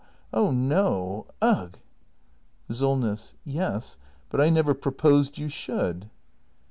Oh no! Ugh! Solness. Yes, but I never proposed you should.